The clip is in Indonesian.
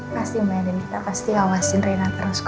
pasti mbak ya dan kita pasti awasin reina terus kok